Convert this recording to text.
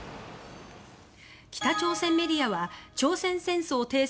北朝鮮メディアは朝鮮戦争停戦